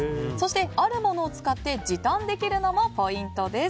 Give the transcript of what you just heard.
あるものを使って時短できるのもポイントです。